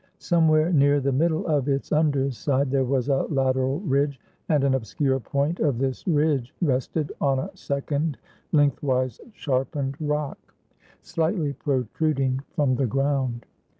Somewhere near the middle of its under side, there was a lateral ridge; and an obscure point of this ridge rested on a second lengthwise sharpened rock, slightly protruding from the ground.